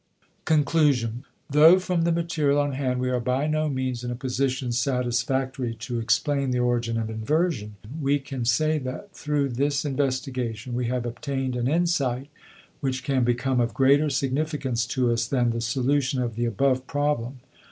*Conclusion.* Though from the material on hand we are by no means in a position satisfactorily to explain the origin of inversion, we can say that through this investigation we have obtained an insight which can become of greater significance to us than the solution of the above problem.